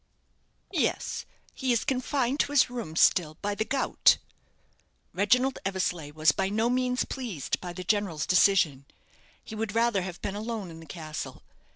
"Yes, he is confined to his rooms still by the gout." Reginald Eversleigh was by no means pleased by the general's decision. He would rather have been alone in the castle.